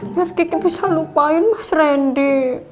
biar kita bisa lupain mas randy